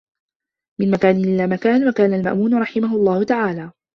مِنْ مَكَان إلَى مَكَان وَكَانَ الْمَأْمُونُ رَحِمَهُ اللَّهُ تَعَالَى